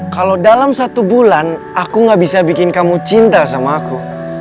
kalau dalam satu bulan aku gak bisa bikin kamu cinta sama aku